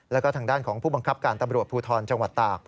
แล้วก็ทางด้านของผู้บังคับการตำรวจภูทรจังหวัดตาก